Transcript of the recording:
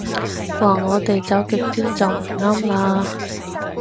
話我哋走極端就唔啱啦